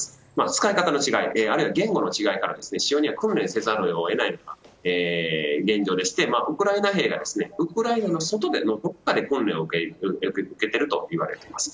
使い方の違い、言語の違いから使用には訓練せざるを得ないのが実情でしてウクライナ兵がウクライナの外で訓練を受けているといわれています。